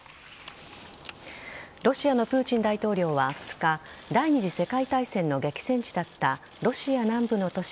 ロシアのプーチン大統領は２日第２次世界大戦の激戦地だったロシア南部の都市